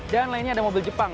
dan lainnya ada mobil jepang